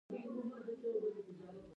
هغوی په سپوږمیز ژوند کې پر بل باندې ژمن شول.